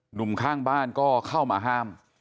หนุ่มข้างบ้านก็เข้ามาห้าม